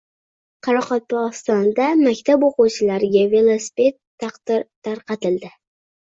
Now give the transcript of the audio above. Qoraqalpog‘istonda maktab o‘quvchilariga velosiped tarqatildi